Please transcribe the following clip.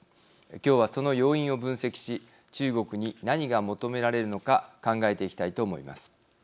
今日は、その要因を分析し中国に何が求められるのか考えていきたいと思います。